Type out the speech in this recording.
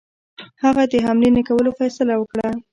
هغه د حملې نه کولو فیصله وکړه.